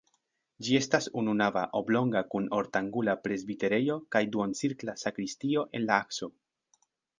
Ĝi estas ununava, oblonga kun ortangula presbiterejo kaj duoncirkla sakristio en la akso.